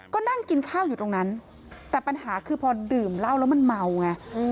ก็นั่งกินข้าวอยู่ตรงนั้นแต่ปัญหาคือพอดื่มเหล้าแล้วมันเมาไง